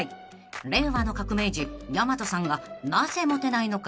［令和の革命児やまとさんがなぜモテないのか］